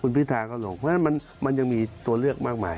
คุณพิธาก็ลงนะก็ลงน่ะมันยังมีตัวเลือกมากมาย